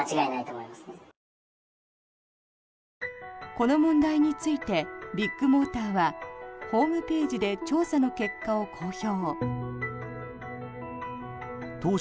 この問題についてビッグモーターはホームページで調査の結果を公表。